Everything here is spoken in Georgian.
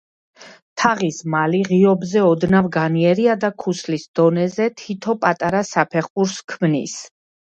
თაღის მალი ღიობზე ოდნავ განიერია და ქუსლის დონეზე თითო პატარა საფეხურს ქმნის.